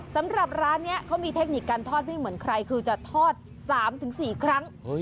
สำหรับร้านนี้เขามีเทคนิคการทอดไม่เหมือนใครคือจะทอด๓๔ครั้ง